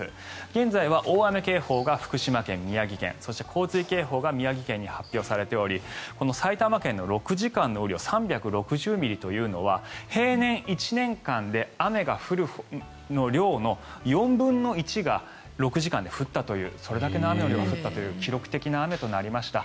現在は大雨警報が福島県、宮城県にそして、洪水警報が宮城県に発表されており埼玉県の６時間の雨量３６０ミリというのは平年１年間で雨が降る量の４分の１が６時間で降ったというそれだけの雨の量が降ったという記録的な雨となりました。